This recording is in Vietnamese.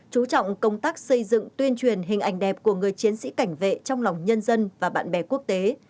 chú trọng công tác xây dựng tuyên truyền hình ảnh đẹp của người chiến sĩ cảnh vệ trong lòng nhân dân và bạn bè quốc tế